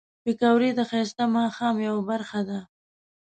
پکورې د ښایسته ماښام یو برخه ده